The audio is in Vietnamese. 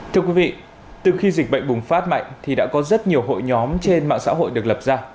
thưa quý vị từ khi dịch bệnh bùng phát mạnh thì đã có rất nhiều hội nhóm trên mạng xã hội được lập ra